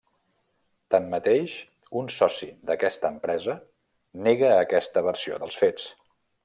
Tanmateix, un soci d'aquesta empresa nega aquesta versió dels fets.